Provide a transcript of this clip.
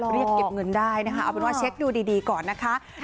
เรียกเก็บเงินได้นะคะเอาเป็นว่าเช็คดูดีก่อนนะคะ